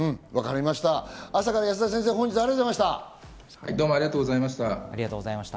朝から保田先生、本日はありがとうございました。